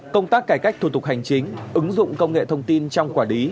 công tác cải cách thuật tục hành chính ứng dụng công nghệ thông tin trong quả đí